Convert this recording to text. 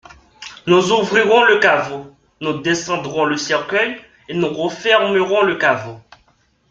Nous ouvrirons le caveau, nous descendrons le cercueil, et nous refermerons le caveau.